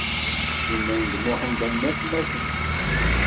Sliman d Muḥend am atmaten.